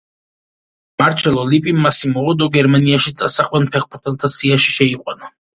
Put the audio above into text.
მარჩელო ლიპიმ მასიმო ოდო გერმანიაში წასაყვან ფეხბურთელთა სიაში შეიყვანა.